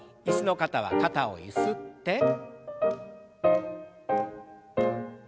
椅子の方は肩をゆすって。